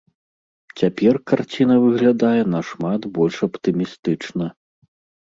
Цяпер карціна выглядае нашмат больш аптымістычна.